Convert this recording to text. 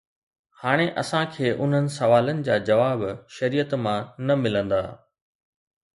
هاڻي اسان کي انهن سوالن جا جواب شريعت مان نه ملندا.